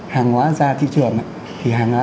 hàng hóa ra thị trường thì hàng hóa